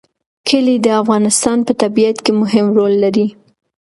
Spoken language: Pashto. کلي د افغانستان په طبیعت کې مهم رول لري.